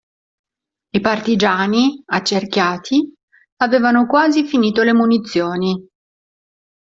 I partigiani, accerchiati, avevano quasi finito le munizioni.